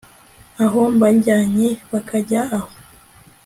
aho mbajyanye bakajya aho